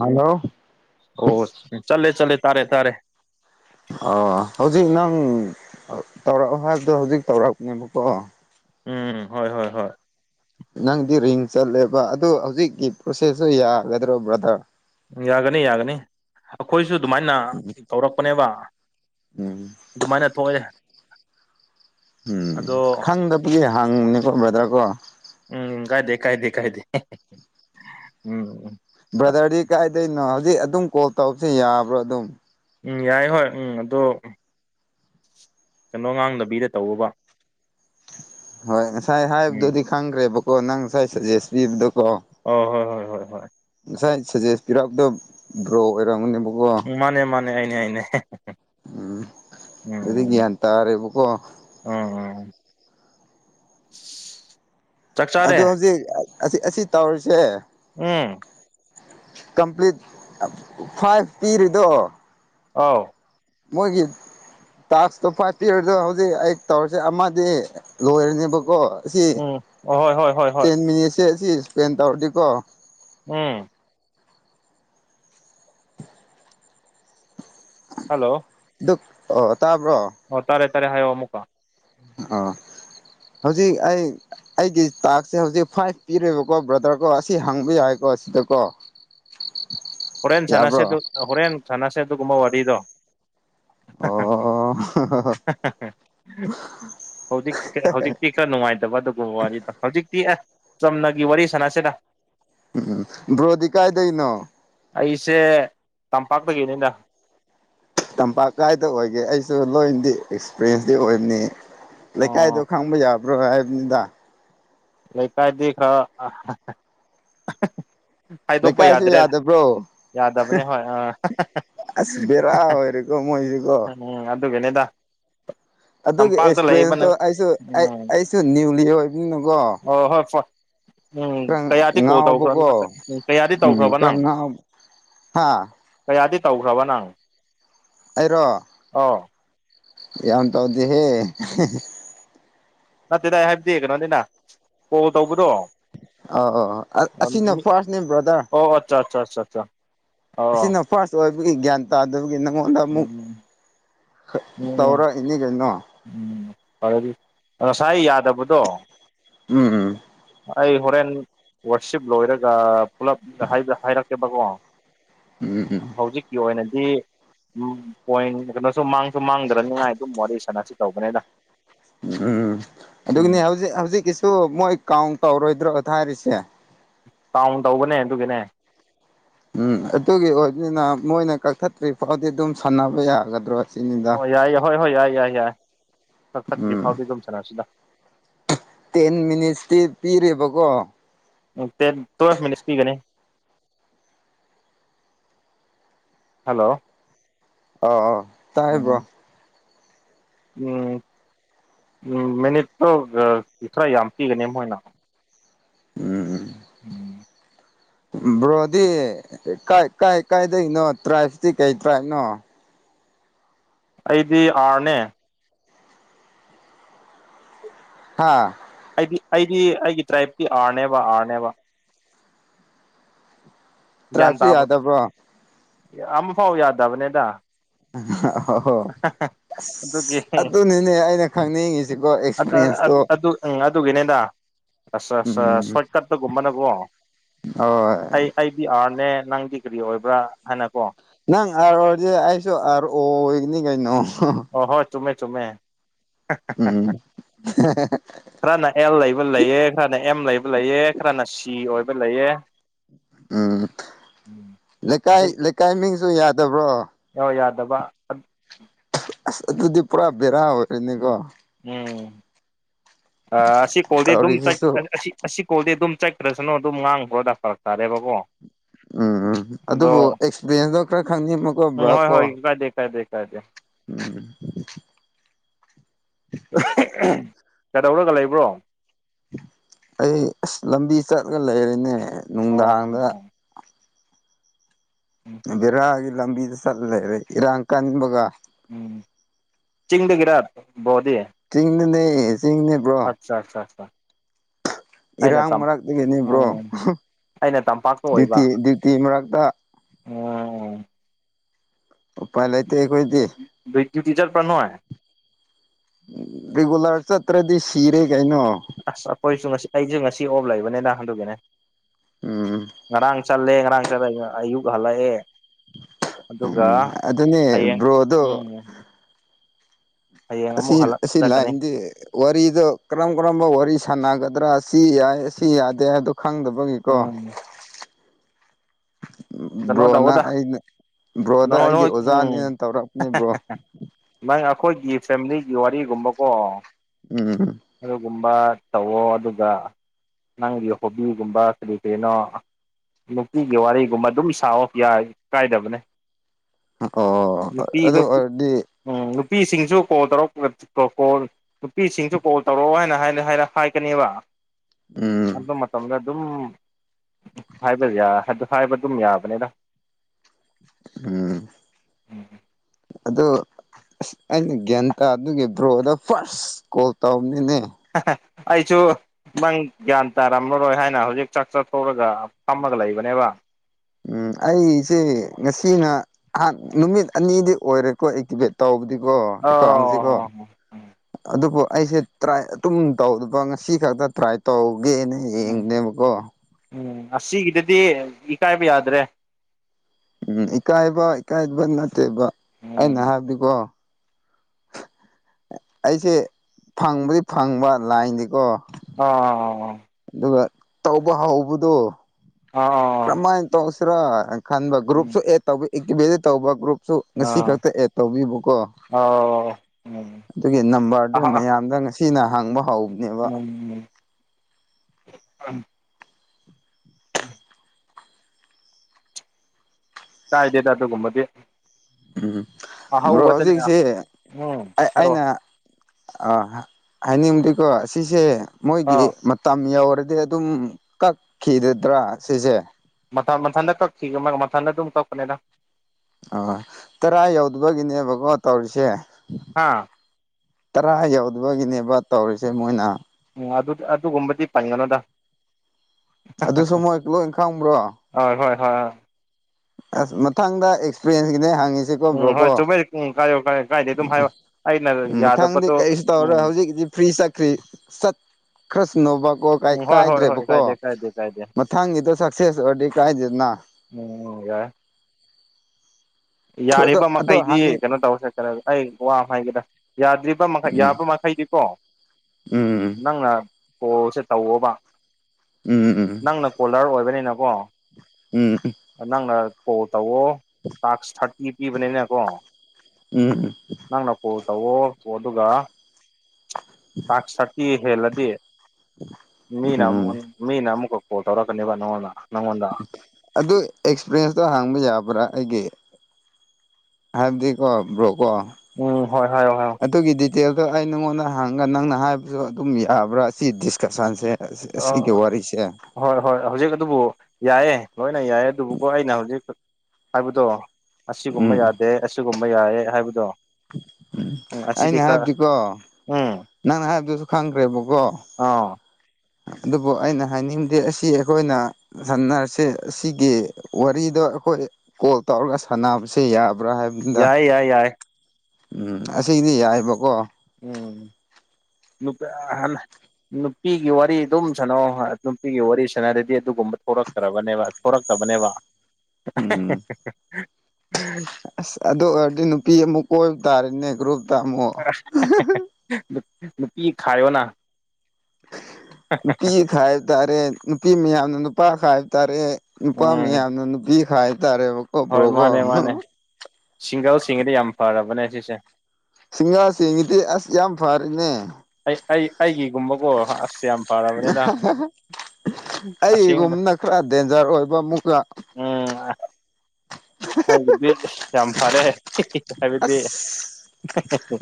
Hello ꯑꯣ ꯆꯠꯂꯦ ꯆꯠꯂꯦ ꯇꯥꯔꯦ ꯇꯥꯔꯦ ꯑꯣ ꯍꯧꯖꯤꯛ ꯅꯪ ꯇꯧꯔꯛꯑꯣ ꯍꯥꯏꯕꯗꯣ ꯍꯧꯖꯤꯛ ꯇꯧꯔꯛꯄꯅꯦꯕꯀꯣ ꯎꯝ ꯍꯣꯏ ꯍꯣꯏ ꯍꯣꯏ ꯅꯪꯗꯤ ꯔꯤꯡ ꯆꯥꯠꯂꯦꯕ ꯑꯗꯣ ꯍꯧꯖꯤꯛꯀꯤ ꯄ꯭ꯔꯣꯁꯦꯁꯇꯣ ꯌꯥꯒꯗ꯭ꯔꯣ ꯕ꯭ꯔꯥꯗꯔ ꯌꯥꯒꯅꯤ ꯌꯥꯒꯅꯤ ꯑꯩꯈꯣꯏꯁꯨ ꯑꯗꯨꯃꯥꯏꯅ ꯇꯧꯔꯛꯄꯅꯦꯕ ꯎꯝ ꯑꯗꯨꯃꯥꯏꯅ ꯊꯣꯛꯑꯦ ꯎꯝ ꯑꯗꯣ ꯈꯪꯗꯕꯒꯤ ꯍꯪꯕꯅꯤꯀꯣ ꯕ꯭ꯔꯥꯗꯔ ꯀꯣ ꯎꯝ ꯀꯥꯏꯗꯦ ꯀꯥꯏꯗꯦ ꯀꯥꯏꯗꯦ ꯍꯦꯍꯦ ꯎꯝ ꯕ꯭ꯔꯗꯔꯗꯤ ꯀꯥꯏꯗꯩꯅꯣ ꯍꯧꯖꯤꯛ ꯑꯗꯨꯝ ꯀꯣꯜ ꯇꯧꯕꯁꯤ ꯌꯕ꯭ꯔꯣ ꯑꯗꯨꯝ ꯎꯝ ꯌꯥꯏ ꯍꯣꯏ ꯎꯝ ꯑꯗꯣ ꯀꯩꯅꯣ ꯉꯥꯡꯗꯕꯤꯗ ꯇꯧꯋꯣꯕ ꯍꯣꯏ ꯉꯁꯥꯏ ꯎꯝ ꯍꯥꯏꯕꯗꯨꯗꯤ ꯈꯪꯈ꯭ꯔꯦꯕꯀꯣ ꯅꯪ ꯉꯁꯥꯏ ꯁꯖꯦꯁ ꯄꯤꯕꯗꯣꯀꯣ ꯑꯣ ꯍꯣꯏ ꯍꯣꯏ ꯍꯣꯏ ꯍꯣꯏ ꯉꯁꯥꯏ ꯁꯖꯦꯁ ꯄꯤꯔꯛꯄꯗꯣ ꯕ꯭ꯔꯣ ꯑꯣꯏꯔꯝꯒꯅꯤꯕꯀꯣ ꯎꯝ ꯃꯥꯅꯦ ꯃꯥꯅꯦ ꯑꯩꯅꯦ ꯑꯩꯅꯦ ꯍꯦꯍꯦꯍꯦ ꯎꯝ ꯑꯗꯨꯗꯤ ꯒꯤꯌꯥꯟ ꯇꯥꯔꯦꯕꯀꯣ ꯎꯝ ꯎꯝ ꯆꯥꯛ ꯆꯥꯔꯦ ꯑꯗꯣ ꯍꯧꯖꯤꯛ ꯑꯁꯤ ꯑꯁꯤ ꯇꯧꯔꯁꯦ꯫ ꯎꯝ ꯀꯝꯄ꯭ꯂꯤꯠ ꯐꯥꯏꯞ ꯄꯤꯔꯤꯗꯣ ꯑꯥꯎ ꯃꯣꯏꯒꯤ ꯇꯥꯛꯁꯇꯣ ꯐꯥꯏꯞ ꯄꯤꯔꯤꯗꯣ ꯍꯧꯖꯤꯛ ꯑꯩ ꯇꯧꯔꯤꯁꯦ ꯑꯃꯗꯤ ꯂꯣꯏꯔꯅꯤꯕꯀꯣ꯫ ꯑꯁꯤ ꯎꯝ ꯑꯍꯣꯏ ꯍꯣꯏ ꯍꯣꯏ ꯍꯣꯏ ꯇꯦꯟ ꯃꯤꯅꯤꯠꯁꯦ ꯑꯁꯤ ꯏꯁꯄꯦꯟ ꯇꯧꯔꯗꯤꯀꯣ ꯎꯝ ꯍꯜꯂꯣ ꯑꯗꯨꯛ ꯑꯣ ꯇꯥꯕ꯭ꯔꯣ? ꯑꯣ ꯇꯔꯦ ꯇꯔꯦ ꯍꯥꯏꯌꯣ ꯑꯃꯨꯛꯀ꯫ ꯑꯥ ꯍꯧꯖꯤꯛ ꯑꯩ꯫ ꯑꯩꯒꯤ ꯇꯥꯛꯁꯦ ꯍꯧꯖꯤꯛ ꯐꯥꯏꯞ ꯄꯤꯔꯦꯕꯀꯣ ꯕ꯭ꯔꯥꯗꯔ ꯀꯣ ꯑꯁꯤ ꯍꯪꯕ ꯌꯥꯏꯀꯣ ꯑꯁꯤꯗꯀꯣ꯫ ꯍꯣꯔꯦꯟ ꯁꯥꯟꯅꯁꯦꯗꯨ ꯍꯣꯔꯦꯟ ꯁꯥꯟꯅꯁꯦ ꯑꯗꯨꯒꯨꯝꯕ ꯋꯥꯔꯤꯗꯣ꯫ ꯍꯥ ꯑꯣ ꯍꯥ ꯍꯥ ꯍꯥ ꯍꯧꯖꯤꯛ ꯍꯧꯖꯤꯛꯇꯤ ꯈꯔ ꯅꯨꯡꯉꯥꯏꯇꯕ ꯑꯗꯨꯒꯨꯝꯕ ꯋꯥꯔꯤꯗꯣ ꯍꯧꯖꯤꯛꯇꯤ ꯑꯦ ꯆꯝꯅꯒꯤ ꯋꯥꯔꯤ ꯁꯥꯟꯅꯁꯤꯗ꯫ ꯎꯝ ꯕ꯭ꯔꯣꯗꯤ ꯀꯥꯏꯗꯩꯅꯣ꯫ ꯑꯩꯁꯦ ꯇꯝꯄꯥꯛꯇꯒꯤꯅꯤꯗ꯫ ꯇꯝꯄꯥꯛ ꯀꯥꯏꯗ ꯑꯣꯏꯒꯦ ꯑꯩꯁꯨ ꯂꯣꯏꯅꯗꯤ ꯑꯦꯛꯁꯄ꯭ꯔꯦꯁꯇꯤ ꯑꯣꯏꯕꯅꯦ꯫ ꯂꯩꯀꯥꯏꯗꯣ ꯑꯣ ꯈꯪꯕ ꯌꯥꯕ꯭ꯔꯣ ꯍꯥꯏꯕꯅꯤꯗ꯫ ꯂꯩꯀꯥꯏꯗꯤ ꯈꯔ ꯍꯥꯏꯗꯣꯛꯄ ꯂꯩꯀꯥꯏꯁꯨ ꯌꯥꯗ꯭ꯔꯦ ꯌꯥꯗꯕ꯭ꯔꯣ ꯌꯥꯗꯕꯅꯦ ꯍꯣꯏ ꯑꯥ ꯑꯁ ꯕꯔꯥ ꯑꯣꯏꯔꯦꯀꯣ ꯃꯣꯏꯁꯤꯀꯣ꯫ ꯎꯝ ꯑꯗꯨꯒꯤꯅꯤꯗ꯫ ꯑꯗꯨꯒꯤ ꯇꯝꯄꯥꯛꯇ ꯂꯩꯕꯅ ꯑꯦꯛꯁꯄꯔꯤꯌꯦꯟꯁꯇꯣ ꯑꯩꯁꯨ ꯑꯩ ꯎꯝ ꯑꯩꯁꯨ ꯅ꯭ꯌꯨꯂꯤ ꯑꯣꯏꯕꯅꯤꯅꯀꯣ꯫ ꯑꯣ ꯍꯣꯏ ꯐꯣꯏ ꯎꯝ ꯈꯔ ꯀꯌꯥꯗꯤ ꯀꯣꯜ ꯇꯧꯈ꯭ꯔ ꯉꯥꯎꯕꯀꯣ ꯎ ꯀꯌꯥꯗꯤ ꯇꯧꯈ꯭ꯔꯕ ꯅꯪ꯫ ꯍꯥꯥ ꯀꯌꯥꯗꯤ ꯇꯧꯈ꯭ꯔꯕ ꯅꯪ꯫ ꯑꯩꯔꯣ꯫ ꯑꯥꯎ ꯒ꯭ꯌꯥꯟ ꯇꯥꯗꯦꯍꯦ ꯅꯠꯇꯦꯗ ꯑꯩ ꯍꯥꯏꯕꯗꯤ ꯀꯩꯅꯣꯅꯤꯅ ꯀꯣꯜ ꯇꯧꯕꯗꯣ ꯑ ꯑꯣ ꯑꯣ ꯑꯁꯤꯅ ꯐꯥꯔꯁꯅꯦ ꯕ꯭ꯔꯥꯗꯔ꯫ ꯑꯆꯥꯆꯥꯆꯥ ꯑꯁꯤꯅ ꯐꯥꯔꯁ ꯑꯣꯏꯕꯒꯤ ꯒ꯭ꯌꯥꯟ ꯇꯥꯗꯕꯒꯤ ꯅꯪꯉꯣꯟꯗ ꯑꯃꯨꯛ ꯎꯝ ꯎꯝ ꯇꯧꯔ ꯏꯅꯤ ꯀꯩꯅꯣ꯫ ꯎꯝ ꯐꯔꯗꯤ ꯉꯁꯥꯏ ꯌꯥꯗꯕꯗꯣ ꯎꯝ ꯎꯝ ꯑꯩ ꯍꯣꯔꯦꯟ ꯋꯥꯔꯁꯤꯞ ꯂꯣꯏꯔꯒ ꯄꯨꯂꯞ ꯍꯥꯏꯔꯛꯀꯦꯕꯀꯣ ꯎꯝ ꯎꯝ ꯍꯧꯖꯤꯛꯀꯤ ꯑꯣꯏꯅꯗꯤ ꯑꯝ ꯄꯣꯏꯟ ꯀꯩꯅꯣꯁꯨ ꯃꯥꯡꯁꯨ ꯃꯥꯡꯗ꯭ꯔꯅꯤꯉꯥꯏ ꯑꯗꯨꯝ ꯋꯥꯔꯤ ꯁꯤ ꯇꯧꯕꯅꯦꯗ꯫ ꯎꯝ ꯑꯗꯨꯒꯤꯅꯦ ꯍꯧꯖꯤꯛ ꯍꯧꯖꯤꯛꯀꯤꯁꯨ ꯃꯣꯏ ꯀꯥꯎꯟ ꯇꯧꯔꯣꯏꯗ꯭ꯔꯣ ꯊꯥꯔꯤꯁꯦ ꯀꯥꯎꯟ ꯇꯧꯕꯅꯦ ꯑꯗꯨꯒꯤꯅꯦ ꯎꯝ ꯑꯗꯨꯒꯤ ꯑꯣꯏꯕꯅꯤꯅ ꯃꯣꯏꯅ ꯀꯛꯊꯠꯇ꯭ꯔꯤ ꯐꯥꯎꯗꯤ ꯑꯗꯨꯝ ꯁꯥꯟꯅꯕ ꯌꯥꯒꯗ꯭ꯔꯣ ꯁꯤꯅꯤꯗ ꯑꯣ ꯌꯥꯏ ꯍꯣꯏ ꯍꯣꯏ ꯌꯥꯏ ꯌꯥꯏ ꯌꯥꯏ ꯀꯛꯊꯠꯇ꯭ꯔꯤ ꯎꯝ ꯐꯥꯎꯗꯤ ꯗꯨꯝ ꯁꯥꯅꯁꯤꯗ ꯇꯦꯟ ꯃꯤꯅꯤꯠꯁꯇꯤ ꯄꯤꯔꯦꯕꯀꯣ ꯇꯦꯟ ꯇ꯭ꯋꯦꯜꯐ ꯃꯤꯅꯤꯠꯁ ꯄꯤꯒꯅꯤ ꯍꯜꯂꯣ ꯑꯣ ꯑꯣ ꯇꯥꯢꯌ‌ꯦ ꯕ꯭ꯔꯣ ꯎꯝ ꯎꯝ ꯎꯝ ꯃꯤꯅꯤꯠꯇꯣ ꯑ ꯈꯔ ꯌꯥꯝ ꯄꯤꯒꯅꯤ ꯃꯣꯏꯅ ꯎꯝ ꯎꯝ ꯎꯝ ꯕ꯭ꯔꯣꯗꯤ ꯀꯥꯏ ꯀꯥꯏ ꯀꯥꯢꯗꯒꯤꯅꯣ ꯇ꯭ꯔꯥꯏꯞꯇꯤ ꯀꯩ ꯇ꯭ꯔꯥꯏꯞꯅꯣ ꯑꯩꯗꯤ ꯑꯥꯔꯅꯦ ꯍꯥꯥ ꯑꯩꯗꯤ ꯑꯩꯗꯤ ꯑꯩꯒꯤ ꯇ꯭ꯔꯥꯏꯞꯇꯥ ꯑꯥꯔꯅꯦꯕ ꯑꯥꯔꯅꯦꯕ ꯒ꯭ꯌꯥꯟ ꯇ꯭ꯔꯥꯏꯞꯁꯨ ꯇꯥꯕ꯭ꯔ‌ꯣ ꯌꯥꯗꯕ꯭ꯔꯣ ꯑꯃꯐꯥꯎ ꯌꯥꯗꯕꯅꯦꯗ ꯑꯍ ꯍꯣꯍꯣ ꯑꯗꯨꯒꯤ ꯑꯁ ꯑꯗꯨꯅꯤꯅꯦ ꯑꯩꯅ ꯈꯪꯅꯤꯡꯉꯤꯁꯤꯀꯣ ꯑꯦꯛꯁꯄꯔꯤꯌꯦꯟꯁꯇꯣ ꯎꯝ ꯑꯗꯨꯒꯤꯅꯦꯗ ꯑꯁꯥ ꯁꯥ ꯎꯝ ꯁ‌ꯣꯔꯠ ꯀꯠ ꯇꯒꯨꯝꯅꯗꯀꯣ ꯍꯣꯏ ꯑꯩ ꯑꯩ ꯗꯤ ꯑꯥꯔꯅꯦ ꯅꯪꯗꯤ ꯀꯔꯤ ꯑꯣꯏꯕ꯭ꯔꯥ ꯍꯥꯏꯅꯀꯣ ꯅꯪ ꯑꯥꯔ ꯑꯣꯏꯔꯗꯤ ꯑꯩꯁꯨ ꯑꯥꯔ ꯑꯣ ꯑꯣꯏꯒꯅꯤ ꯀꯩꯅꯣ ꯍꯣꯏ ꯍꯣꯏ ꯆꯨꯝꯃꯦ ꯆꯨꯝꯃꯦ ꯎꯝ ꯍꯦꯍꯦ ꯈꯔꯅ ꯑꯦꯜ ꯂꯩꯕ ꯂꯩꯌꯦ ꯈꯔꯅ ꯑꯦꯝ ꯂꯩꯕ ꯂꯩꯌꯦ ꯈꯔꯅ ꯁꯤ ꯑꯣꯏꯕ ꯂꯩꯌꯦ ꯎꯝ ꯂꯩꯀꯥꯏ ꯂꯩꯀꯥꯏ ꯃꯤꯡꯁꯨ ꯌꯥꯗꯕ꯭ꯔꯣ ꯌꯣ ꯌꯥꯗꯕ ꯑꯁ ꯑꯗꯨꯗꯤ ꯄꯨꯔꯥ ꯕꯦꯔꯥ ꯑꯣꯏ ꯎꯝ ꯑꯥ ꯁꯤ ꯀꯣꯜꯗꯤ ꯑꯗꯨꯝ ꯆꯥꯠ ꯇꯧꯔꯤꯁꯤꯁꯨ ꯑꯥ ꯑꯁꯤ ꯑꯁꯤ ꯀꯣꯜꯗꯤ ꯑꯗꯨꯝ ꯆꯥꯠꯈ꯭ꯔꯁꯅꯨ ꯑꯗꯨꯝ ꯉꯥꯡꯈ꯭ꯔꯣꯗ ꯐꯔꯛ ꯇꯥꯔꯦꯕꯀꯣ [inaudible] ꯎꯝ ꯎꯝ ꯑꯗꯣ ꯑꯗꯨꯕꯨ ꯑꯦꯛꯁꯄꯤꯔꯤꯌꯦꯟꯁꯇꯣ ꯈꯔ ꯈꯪꯅꯤꯡꯕ ꯀꯣ ꯎꯝ ꯍꯣꯏ ꯕ꯭ꯔꯣꯀꯣ ꯍꯣꯏ ꯀꯥꯏꯗꯦ ꯀꯥꯏꯗꯦ ꯀꯥꯏꯗꯦ ꯎꯝ ꯑꯍꯥ ꯍꯥꯝ ꯀꯩꯗꯧꯔꯒ ꯂꯩꯕ꯭ꯔꯣ ꯑꯩ ꯑꯁ ꯂꯥꯝꯕꯤ ꯆꯥꯠꯂꯒ ꯂꯩꯔꯦꯅꯦ ꯑꯣ ꯑꯣ ꯅꯨꯡꯗꯥꯡꯗ ꯑꯣ ꯎꯝ ꯕ‌ꯦꯔꯥꯒꯤ ꯂꯥꯝꯕꯤꯗ ꯆꯥꯠꯂꯒ ꯂꯩꯔꯦ ꯏꯔꯥꯡ ꯀꯥꯟꯕꯒ ꯎꯝ ꯆꯤꯡꯗꯒꯤꯔꯥ ꯕ꯭ꯔꯣꯗꯤ ꯆꯤꯡꯗꯅꯦ ꯆꯤꯡꯅ ꯑꯠꯆꯥ ꯆꯥ ꯆꯥ [unintelligible] ꯏꯔꯥꯡ ꯃꯔꯛꯇꯒꯤꯅꯦ ꯕ꯭ꯔꯣ ꯎꯝ ꯑꯩꯅ ꯇꯝꯄꯥꯛꯇ ꯗ꯭ꯌꯨꯇꯤ ꯑꯣꯏꯕ ꯗ꯭ꯌꯨꯇꯤ ꯃꯔꯥꯛꯇ ꯎꯝ ꯎꯄꯥꯏ ꯂꯩꯇꯦ ꯑꯩꯈꯣꯏꯗꯤ ꯕꯤꯇꯤꯌꯨꯗꯤ ꯆꯥꯠꯄ꯭ꯔ ꯅꯣꯏ ꯔꯤꯒꯨꯂꯔ ꯆꯥꯠꯇ꯭ꯔꯗꯤ ꯁꯤꯔꯦ ꯀꯩꯅꯣ ꯑꯁ ꯑꯩꯈꯣꯏꯁꯨ ꯉꯁꯤ ꯑꯩꯁꯨ ꯉꯁꯤ ꯑꯣꯞ ꯂꯩꯕꯅꯦꯗ ꯑꯗꯨꯒꯤꯅꯦ ꯎꯝ ꯉꯔꯥꯡ ꯆꯥꯠꯂꯦ ꯉꯔꯥꯡ ꯆꯥꯠꯂꯒ ꯑꯌꯨꯛ ꯍꯥꯜꯂꯛꯑꯦ ꯑꯗꯨꯒ ꯎꯝ ꯑꯗꯨꯅꯦ ꯍꯌꯦꯡ ꯕ꯭ꯔꯣꯗꯣ ꯎꯝ ꯍꯌꯦꯡ ꯑꯁꯤ ꯑꯃꯨꯛ ꯍꯜꯂꯛ ꯆꯠꯀꯅꯤ ꯑꯁꯤꯂꯥꯏꯟꯗꯤ ꯋꯥꯔꯤꯗꯣ ꯀꯔꯥꯝ ꯀꯔꯥꯝꯕ ꯋꯥꯔꯤ ꯁꯥꯟꯅꯒꯗ꯭ꯔꯥ ꯑꯁꯤ ꯌꯥꯏ ꯑꯁꯤ ꯌꯥꯗꯦ ꯍꯥꯏꯕꯗꯣ ꯈꯪꯗꯕꯒꯤꯀꯣ ꯎꯝ ꯀꯩꯅꯣ ꯕ꯭ꯔꯣꯅ ꯇꯧꯋꯣꯗ ꯑꯩꯅ ꯅꯣ ꯕ꯭ꯔꯣꯗ ꯑꯩꯒꯤ ꯅꯣꯏ ꯎꯝ ꯑꯣꯖꯥꯅꯦꯅ ꯇꯧꯔꯛꯄꯅꯦ ꯕ꯭ꯔꯣ ꯍꯥꯍꯥ ꯅꯪ ꯑꯩꯈꯣꯏꯒꯤ ꯐꯦꯃꯤꯂꯤꯒꯤ ꯋꯥꯔꯤꯒꯨꯝꯕꯀꯣ ꯎꯝ ꯑꯗꯨꯒꯨꯝꯕ ꯇꯧꯋꯣ ꯑꯗꯨꯒ ꯅꯪꯒꯤ ꯍꯣꯕꯤꯒꯨꯝꯕ ꯀ꯭ꯔꯤ ꯀ꯭ꯔꯤꯅꯣ ꯅꯨꯄꯤꯒꯤ ꯋꯥꯔꯤꯒꯨꯝꯕ ꯑꯗꯨꯝ ꯁꯥꯋꯣ ꯌꯥꯏ ꯀꯥꯏꯗꯕꯅꯦ ꯑꯣ ꯑꯗꯨ ꯅꯨꯄꯤꯗꯣ ꯄꯤ ꯑꯣꯏꯔꯗꯤ ꯎꯝ ꯅꯨꯄꯤꯁꯤꯡꯁꯨ ꯀꯣꯜ ꯇꯧꯔꯛꯄꯒ ꯀꯣꯜ ꯅꯨꯄꯤꯁꯤꯡꯁꯨ ꯀꯣꯜ ꯇꯧꯔꯛꯑꯣ ꯍꯥꯏꯅ ꯍꯥꯏꯅ ꯍꯥꯏꯅ ꯍꯥꯏꯀꯥꯅꯦꯕ ꯎꯝ ꯑꯗꯨ ꯃꯇꯥꯝꯗ ꯑꯗꯨꯝ ꯍꯥꯏꯕ ꯌꯥ ꯍꯥꯏꯕ ꯑꯗꯨꯝ ꯌꯥꯕꯅꯤꯗ ꯎꯝ ꯑꯗꯨ ꯑꯁ ꯑꯩꯅ ꯒ꯭ꯌꯥꯟ ꯇꯥꯗꯒꯤ ꯕ꯭ꯔꯣꯗ ꯐꯥꯔꯁ ꯀꯣꯜ ꯇꯧꯕꯅꯤꯅꯦ ꯍꯥꯍꯥ ꯑꯩꯁꯨ ꯅꯪ ꯒ꯭ꯌꯥꯟ ꯇꯥꯔꯝꯃꯔꯣꯏ ꯍꯥꯏꯅ ꯍꯧꯖꯤꯛ ꯆꯥꯛ ꯆꯥꯊꯣꯛꯔꯒ ꯐꯝꯃꯒ ꯂꯩꯕꯅꯦꯕ ꯎꯝ ꯑꯩꯁꯦ ꯉꯁꯤꯅ ꯑꯍꯥꯟ ꯅꯨꯃꯤꯠ ꯑꯅꯤꯗꯤ ꯑꯣꯏꯔꯦꯀꯣ ꯑꯦꯛꯇꯤꯕꯦꯠ ꯇꯧꯕꯗꯤꯀꯣ ꯑꯦꯀꯥꯎꯟꯁꯤꯀꯣ ꯑꯣ ꯑꯗꯨꯕꯨ ꯑꯩꯁꯦ ꯇ꯭ꯔꯥꯏ ꯑꯗꯨꯝ ꯇꯧꯗꯕ ꯉꯁꯤ ꯈꯛꯇ ꯇ꯭ꯔꯥꯏ ꯇꯧꯒꯦꯅꯦ ꯎꯝ ꯌꯦꯡꯕ ꯅꯦꯕꯀꯣ ꯎꯝ ꯑꯁꯤꯒꯤꯗꯨꯗꯤ ꯏꯀꯥꯏꯕ ꯌꯥꯗ꯭ꯔꯦ ꯎꯝ ꯏꯀꯥꯏꯕ ꯏꯀꯥꯏꯕ ꯅꯠꯇꯦꯕ ꯎꯝ ꯑꯩꯅ ꯍꯥꯏꯕꯗꯤꯀꯣ ꯑꯩꯁꯦ ꯐꯪꯕꯗꯤ ꯐꯪꯕ ꯂꯥꯏꯟꯗꯤꯀꯣ ꯑꯥ ꯑꯗꯨꯒ ꯇꯧꯕ ꯍꯧꯕꯗꯣ ꯑꯥ ꯑꯥ ꯀꯔꯃꯥꯏꯟ ꯇꯧꯁꯤꯔꯥ ꯈꯟꯕ ꯒ꯭ꯔꯨꯞꯁꯨ ꯑꯦꯠ ꯇꯧꯕꯤ ꯑꯦꯛꯇꯤꯚꯦꯠ ꯇꯧꯕ ꯒ꯭ꯔꯨꯞꯁꯨ ꯉꯁꯤ ꯈꯛꯇ ꯑꯦꯠ ꯇꯧꯕꯤꯕꯀꯣ ꯑꯣ ꯑꯗꯨꯒꯤ ꯅꯝꯕꯔꯗꯨ ꯃꯌꯥꯝꯗ ꯉꯁꯤꯅ ꯍꯪꯕ ꯍꯧ ꯎꯝ ꯑꯍꯝ [unintelligible] ꯀꯥꯏꯗꯦꯗ ꯑꯗꯨꯒꯨꯝꯕꯗꯤ ꯎꯝ ꯕ꯭ꯔꯣ ꯑꯍꯧꯕꯗꯅꯦ ꯍꯧꯖꯤꯛꯀꯤꯁꯦ ꯎꯝ ꯑꯩ ꯍꯥꯏꯔꯛꯑꯣ ꯑꯩꯅ ꯑꯥ ꯍꯥꯏꯅꯤꯡꯕꯗꯤꯀꯣ ꯑꯁꯤꯁꯦ ꯃꯣꯏꯒꯤ ꯑꯥ ꯇꯝ ꯌꯧꯔꯗꯤ ꯑꯗꯨꯝ ꯀꯛꯈꯤꯒꯗ꯭ꯔꯥ ꯁꯤꯁꯦ ꯃꯇꯝ ꯃꯊꯟꯗ ꯀꯛꯈꯤꯕ ꯃꯊꯟꯗ ꯑꯗꯨꯝ ꯀꯛꯄꯅꯦꯗ ꯑꯥ ꯇꯔꯥ ꯌꯧꯗꯕꯒꯤꯅꯦꯕꯀꯣ ꯇꯧꯔꯤꯁꯦ ꯍꯥꯥ ꯇꯔꯥ ꯌꯧꯗꯕꯒꯤꯅꯦꯕ ꯇꯧꯔꯤꯁꯦ ꯃꯣꯏꯅ ꯎꯝ ꯑꯗꯨ ꯑꯗꯨꯒꯨꯝꯕꯗꯤ ꯄꯟꯒꯅꯨꯗ ꯑꯗꯨꯁꯨ ꯃꯣꯏ ꯂꯣꯏꯟ ꯈꯪꯕ꯭ꯔꯣ ꯑꯥ ꯍꯣꯏ ꯍꯣꯏ ꯍꯣꯏ ꯑꯁ ꯃꯊꯪꯗ ꯑꯦꯛꯁ [unintelligible] ꯍꯪꯉꯤ ꯎꯝ ꯍꯣꯏ ꯆꯨꯝꯃꯦ [unintelligible] ꯍꯥꯏꯌꯣ ꯑꯩꯅ ꯃꯊꯪꯗꯤ ꯌꯥꯗꯕꯗꯣ ꯀꯔꯤꯁꯨ ꯇꯧꯔꯣꯏ ꯎꯝ ꯍꯧꯖꯤꯛꯀꯤꯗꯤ ꯐ꯭ꯔꯤ ꯆꯠ ꯇ꯭ꯔꯤ ꯆꯠ ꯈ꯭ꯔꯁꯅꯣꯕꯥꯀꯣ ꯎꯝ [unintelligible] ꯍꯣꯏ ꯍꯣꯏ ꯍꯣꯏ ꯀꯥꯏꯗ꯭ꯔꯦꯕꯀꯣ ꯀꯥꯏꯗꯦ ꯀꯥꯏꯗꯦ ꯀꯥꯏꯗꯦ ꯃꯊꯪꯒꯤꯗꯣ ꯁꯛꯁꯦꯁ ꯑꯣꯏꯔꯗꯤ ꯀꯥꯏꯗꯦꯗꯅ ꯎꯝ ꯌꯥꯔꯦ ꯑꯗꯣ ꯌꯥꯔꯤꯕ ꯑꯗꯣ ꯃꯈꯩꯗꯤ ꯍꯪꯅꯤꯡ ꯀꯩꯅꯣ ꯇꯧꯁꯦ ꯈꯔ ꯑꯩ ꯋꯥ ꯍꯥꯏꯒꯦꯗ ꯌꯥꯗ꯭ꯔꯤꯕ ꯃꯈꯩ ꯎꯝ ꯌꯥꯕ ꯃꯈꯩꯗꯤꯀꯣ ꯎꯝ ꯅꯪꯅ ꯀꯣꯜꯁꯦ ꯇꯧꯋꯣꯕ ꯎꯝ ꯎꯝ ꯅꯪꯅ ꯀꯣꯂꯔ ꯑꯣꯏꯕꯅꯤꯅꯀꯣ ꯎꯝ ꯅꯪꯅ ꯀꯣꯜ ꯇꯧꯑꯣ ꯇꯥꯛꯁ ꯊꯥꯔꯇꯤ ꯄꯤꯕꯅꯤꯅꯀꯣ ꯎꯝ ꯎꯝ ꯅꯪꯅ ꯀꯣꯜ ꯇꯧꯑꯣ ꯑꯣ ꯑꯗꯨꯒ [inaudible] ꯇꯥꯛꯁ ꯊꯥꯔꯇꯤ ꯍꯦꯜꯂꯗꯤ ꯃꯤꯅ ꯑ ꯎꯝ [unintelligible] ꯃꯤꯅ ꯑꯃꯨꯛꯀ ꯀꯣꯜ ꯇꯧꯔꯛꯀꯅꯦꯕ ꯅꯪꯉꯣꯟꯗ ꯅꯪꯉꯣꯟꯗ ꯑꯗꯨ ꯑꯦꯛꯁꯄ꯭ꯔꯦꯟꯁꯇꯨ ꯍꯪꯕ ꯌꯥꯕ꯭ꯔꯥ ꯑꯩꯒꯤ ꯍꯥꯢꯕꯗꯤꯀꯣ ꯕ꯭ꯔꯣ ꯀꯣ ꯎꯝ ꯍꯣꯏ ꯍꯥꯏꯌꯣ ꯍꯥꯏꯌꯣ ꯑꯗꯨꯒꯤ ꯗꯤꯇꯦꯜꯗꯣ ꯑꯩ ꯅꯪꯉꯣꯟꯗ ꯍꯪꯉꯥ ꯅꯪꯅ ꯍꯥꯏꯕꯁꯨ ꯑꯗꯨꯝ ꯌꯥꯕ꯭ꯔꯥ ꯁꯤ ꯗꯤꯁꯀꯁꯟꯁꯦ ꯑ ꯁꯤꯒꯤ ꯋꯥꯔꯤꯁꯦ ꯍꯣꯏ ꯍꯣꯏ ꯍꯧꯖꯤꯛ ꯑꯗꯨꯕꯨ ꯌꯥꯏꯌꯦ ꯂꯣꯏꯅ ꯌꯥꯏꯌꯦ ꯑꯗꯨꯕꯨꯀꯣ ꯑꯩꯅ ꯍꯧꯖꯤꯛ ꯍꯥꯏꯕꯗꯣ ꯑꯁꯤꯒꯨꯝꯕ ꯎꯝ ꯌꯥꯗꯦ ꯑꯁꯤꯒꯨꯝꯕ ꯌꯥꯏꯌꯦ ꯍꯥꯏꯕꯗꯣ ꯎꯝ ꯑꯁꯤꯗꯤ ꯑꯩꯅ ꯈꯔ ꯍꯥꯏꯕꯗꯤꯀꯣ ꯎꯝ ꯅꯪꯅ ꯍꯥꯏꯕꯗꯨꯁꯨ ꯈꯪꯈ꯭ꯔꯦꯕꯀꯣ ꯑꯥ ꯑꯗꯨꯕꯨ ꯑꯩꯅ ꯍꯥꯏꯅꯤꯡꯕꯗꯤ ꯑꯁꯤ ꯑꯩꯈꯣꯏꯅ ꯁꯥꯟꯅꯔꯁꯦ ꯑꯁꯤꯒꯤ ꯋꯥꯔꯤꯗꯣ ꯑꯩꯈꯣꯏ ꯀꯣꯜ ꯇꯧꯔꯒ ꯁꯥꯟꯅꯕꯁꯦ ꯌꯥꯕ꯭ꯔꯥ [unintelligible] ꯅꯤꯗ ꯌꯥꯏ ꯌꯥꯏ ꯌꯥꯏ ꯎꯝ ꯑꯁꯤꯒꯤꯗꯤ ꯌꯥꯏꯕꯀꯣ ꯎꯝ [unintelligible] ꯅꯨꯄꯤꯒꯤ ꯋꯥꯔꯤ ꯑꯗꯨꯝ ꯁꯥꯟꯅꯧ ꯅꯨꯄꯤꯒꯤ ꯋꯥꯔꯤ ꯁꯥꯟꯅꯔꯗꯤ ꯑꯗꯨꯒꯨꯝꯕ ꯊꯣꯔꯛ ꯇ꯭ꯔꯕꯅꯦꯕ ꯊꯣꯔꯛꯇꯕꯅꯦꯕ ꯎꯝ ꯑꯁ ꯑꯗꯨ ꯑꯣꯏꯔꯗꯤ ꯅꯨꯄꯤ ꯑꯃꯨꯛ ꯀꯣꯏꯕ ꯇꯥꯔꯦꯅꯦ ꯒ꯭ꯔꯨꯞꯇ ꯑꯃꯨꯛ ꯅꯨꯄꯤ ꯈꯥꯏꯌꯣꯅ ꯅꯨꯄꯤ ꯈꯥꯏꯕ ꯇꯥꯔꯦ ꯅꯨꯄꯤ ꯃꯌꯥꯝꯅ ꯅꯨꯄꯥ ꯈꯥꯏꯕ ꯇꯥꯔꯦ ꯅꯨꯄꯥ ꯎꯝ ꯃꯌꯥꯝꯅ ꯅꯨꯄꯤ ꯈꯥꯏꯕ ꯇꯥꯔꯦꯕ ꯀꯣ ꯕ꯭ꯔꯣꯀꯣ ꯁꯤꯡꯒꯜ ꯁꯤꯡꯒꯤꯗꯤ ꯌꯥꯝ ꯐꯔꯕꯅꯦ ꯁꯤꯁꯦ ꯁꯤꯡꯒꯜꯁꯤꯡꯒꯤꯗꯤ ꯑꯁ ꯌꯥꯝ ꯐꯔꯤꯅꯤ ꯑꯩ ꯑꯩ ꯑꯩꯒꯤꯒꯨꯝꯕꯀꯣ ꯑꯁ ꯌꯥꯝ ꯐꯔꯕꯅꯤꯅ ꯑꯁꯦꯡꯕ ꯑꯩꯒꯤꯒꯨꯝꯕꯅ ꯈꯔ ꯗꯦꯟꯖꯔ ꯑꯣꯏꯕ ꯑꯃꯨꯛꯀ ꯎꯝ ꯑꯩꯒꯤꯗꯤ ꯌꯥꯝ ꯐꯔꯦ ꯍꯥꯏꯕꯗꯤ ꯑꯁ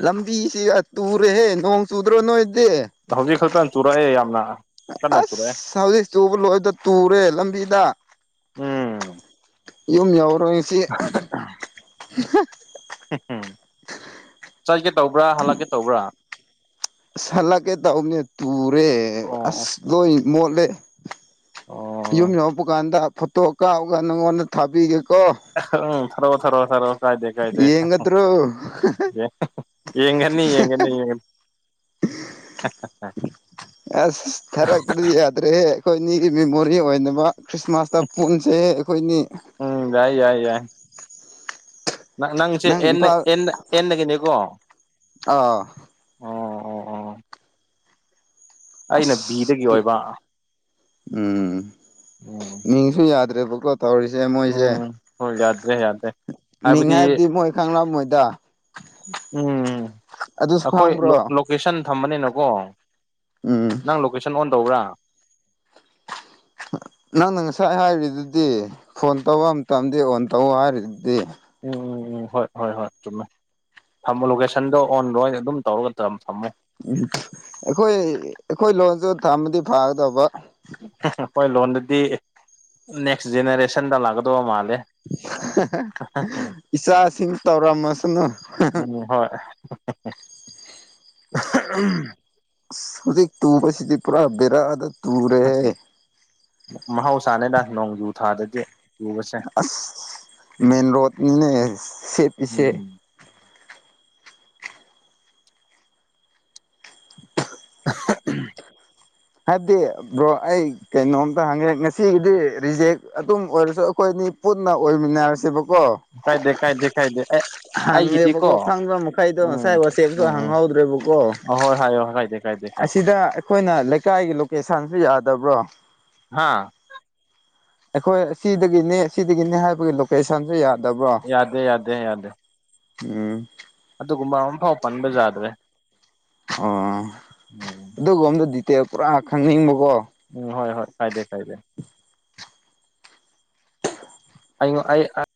ꯂꯝꯕꯤꯁꯤ ꯇꯨꯔꯦꯍꯦ ꯅꯣꯡ ꯆꯨꯗ꯭ꯔꯣ ꯅꯣꯏꯗꯤ ꯍꯧꯖꯤꯛ ꯈꯛꯇ ꯆꯨꯔꯛꯑꯦ ꯌꯥꯝꯅ ꯀꯟꯅ ꯆꯨꯔꯛꯑꯦ ꯑꯁ ꯍꯧꯖꯤꯛ ꯆꯨꯕ ꯂꯣꯏꯕꯗ ꯇꯨꯔꯦ ꯂꯝꯕꯤꯗ ꯎꯝ ꯌꯨꯝ ꯌꯧꯔꯣꯢ ꯉꯁꯤ [inaudible] ꯆꯠꯒꯦ ꯇꯧꯕ꯭ꯔꯥ ꯍꯜꯂꯛꯀꯦ ꯇꯧꯕ꯭ꯔꯥ ꯑꯁ ꯍꯜꯂꯛꯀꯦ ꯇꯧꯕꯅꯦ ꯇꯨꯔꯦ ꯑꯣ ꯑꯁ ꯂꯣꯢ ꯃꯣꯠꯂꯦ ꯑꯣ ꯌꯨꯝ ꯎꯝ ꯌꯧꯔꯛꯄ ꯀꯥꯟꯗ ꯑ ꯐꯣꯇꯣ ꯀꯥꯞꯑꯒ ꯅꯪꯉꯣꯟꯗ ꯊꯥꯕꯤꯒꯦꯀꯣ ꯑꯍꯥ ꯎꯝ ꯊꯥꯔꯣ ꯊꯔꯣ ꯊꯔꯣ ꯀꯥꯏꯗꯦ ꯀꯥꯏꯗꯦ ꯌꯦꯡꯒꯗ꯭ꯔꯣ ꯌꯦꯡ ꯌꯦꯡꯒꯅꯤ ꯌꯦꯡꯒꯅꯤ ꯌꯦꯡꯒꯅꯤ [inaudible] ꯑꯁ ꯊꯥꯔꯛꯇꯗꯤ ꯌꯥꯗ꯭ꯔꯦꯍꯦ ꯑꯩꯈꯣꯏꯅꯤꯒꯤ ꯃꯦꯃꯣꯔꯤ ꯑꯣꯏꯅꯕ ꯈ꯭ꯔꯤꯁꯃꯥꯁꯇ ꯄꯨꯟꯁꯦ ꯑꯩꯈꯣꯏꯅꯤ ꯎꯝ ꯌꯥꯏ ꯌꯥꯏ ꯌꯥꯏ ꯅꯪ ꯅꯪꯁꯦ ꯑꯦꯟ ꯑꯦꯟ ꯑꯦꯟꯗꯒꯤꯅꯤꯀꯣ ꯑ ꯑꯣ ꯑꯩꯅ ꯑꯁ ꯕꯤꯗꯒꯤ ꯑꯣꯏꯕ ꯎꯝ ꯎꯝ ꯃꯤꯡꯁꯨ ꯌꯥꯗ꯭ꯔꯦꯕꯀꯣ ꯇꯧꯔꯤꯁꯦ ꯃꯣꯏꯁꯦ ꯎꯝ ꯍꯣꯏ ꯌꯥꯗ꯭ꯔꯦ ꯌꯥꯗ꯭ꯔꯦ ꯃꯤꯡ ꯍꯥꯏꯕꯗꯤ ꯃꯣꯏ ꯈꯪꯂꯝꯃꯣꯏꯗ ꯎꯝ ꯑꯗꯨꯁꯨ ꯑꯩꯈꯣꯏ ꯈꯪꯕ꯭ꯔꯣ ꯂꯣ ꯂꯣꯀꯦꯁꯟ ꯊꯝꯕꯅꯤꯅꯀꯣ ꯎꯝ ꯅꯪ ꯂꯣꯀꯦꯁꯟ ꯑꯣꯟ ꯇꯧꯕ꯭ꯔꯥ ꯅꯪꯅ ꯉꯁꯥꯏ ꯍꯥꯏꯔꯤꯗꯨꯗꯤ ꯐꯣꯟ ꯇꯧꯕ ꯃꯇꯝꯗꯤ ꯑꯣꯟ ꯇꯧꯑꯣ ꯍꯥꯏꯔꯤꯗꯨꯗꯤ ꯎꯝ ꯍꯣꯏ ꯍꯣꯏ ꯍꯣꯏ ꯆꯨꯝꯃꯦ ꯊꯝꯃꯣ ꯂꯣꯀꯦꯁꯟꯗꯣ ꯑꯣꯟ ꯂꯣꯏ ꯑꯗꯨꯝ ꯇꯧꯔꯒ ꯇꯝ ꯊꯝꯃꯣ ꯎꯝ ꯑꯩꯈꯣꯏ ꯑꯩꯈꯣꯏ ꯂꯣꯟꯁꯨ ꯊꯝꯃꯗꯤ ꯐꯒꯗꯧꯕ ꯈꯣꯏ ꯂꯣꯟꯗꯨꯗꯤ ꯅꯦꯛꯁ ꯖꯦꯅꯦꯔꯦꯁꯟꯗ ꯂꯥꯛꯀꯗꯧꯕ ꯃꯥꯜꯂꯦ ꯏꯆꯥꯁꯤꯡ ꯇꯧꯔꯝꯃꯁꯅꯨ ꯎꯝ ꯍꯣꯏ ꯑꯁ ꯍꯧꯖꯤꯛ ꯇꯨꯕꯁꯤꯗꯤ ꯄꯨꯔꯥ ꯕꯦꯔꯥꯗ ꯇꯨꯔꯦꯍꯦ ꯃꯍꯧꯁꯥꯅꯤꯗ ꯅꯣꯡꯖꯨ ꯊꯥꯗꯗꯤ ꯆꯨꯕꯁꯦ ꯑꯁ ꯃꯦꯟ ꯔꯣꯗꯅꯤꯅꯦ ꯁꯦꯞꯄꯤꯁꯦ ꯎꯝ ꯑꯍ ꯎꯝ ꯍꯥꯏꯕꯗꯤ ꯕ꯭ꯔꯣ ꯑꯩ ꯀꯩꯅꯣꯝꯇ ꯍꯪꯉꯦ ꯉꯁꯤꯒꯤꯗꯤ ꯔꯤꯖꯦꯛ ꯑꯗꯨꯝ ꯑꯣꯏꯔꯁꯨ ꯑꯩꯈꯣꯏꯅꯤ ꯄꯨꯟꯅ ꯑꯣꯏꯃꯤꯟꯅꯔꯁꯦꯕꯀꯣ ꯀꯥꯏꯗꯦ ꯀꯥꯏꯗꯦ ꯀꯥꯏꯗꯦ ꯑꯦ ꯑꯩꯒꯤꯗꯤꯀꯣ ꯍꯪꯉꯦꯕꯀꯣ ꯈꯪꯕ ꯃꯈꯩꯗꯣ ꯎꯝ ꯉꯁꯥꯏ ꯋꯥꯆꯦꯞꯁꯨ ꯎꯝ ꯎꯝ ꯍꯪꯍꯧꯗ꯭ꯔꯦꯕꯀꯣ ꯍꯣꯏ ꯍꯣꯏ ꯍꯥꯏꯌꯣ ꯍꯥꯏꯗꯦ ꯀꯥꯏꯗꯦ ꯀꯥꯏꯗꯦ ꯑꯁꯤꯗ ꯑꯩꯈꯣꯏꯅ ꯂꯩꯀꯥꯏꯒꯤ ꯂꯣꯀꯦꯁꯟꯁꯨ ꯌꯥꯗꯕ꯭ꯔꯣ ꯍꯥꯥ ꯑꯩꯈꯣꯏ ꯑꯁꯤꯗꯒꯤꯅꯦ ꯑꯁꯤꯗꯒꯤꯅꯦ ꯍꯥꯏꯕꯒꯤ ꯂꯣꯀꯦꯁꯟꯁꯨ ꯌꯥꯗꯕ꯭ꯔꯣ ꯌꯥꯗꯦ ꯌꯥꯗꯦ ꯌꯥꯗꯦ ꯎꯝ ꯑꯗꯨꯒꯨꯝꯕ ꯑꯃꯐꯥꯎ ꯄꯥꯟꯕ ꯖꯥꯗ꯭ꯔꯦ ꯑꯣ ꯎꯝ ꯑꯗꯨꯒꯨꯝꯕꯗꯣ ꯗꯤꯇꯦꯜ ꯄꯨꯔꯥ ꯈꯪꯅꯤꯡꯕꯀꯣ ꯎꯝ ꯍꯣꯏ ꯍꯣꯏ ꯀꯥꯏꯗꯦ ꯀꯥꯏꯗꯦ ꯑꯩꯉꯣ ꯑꯩ ꯑꯥ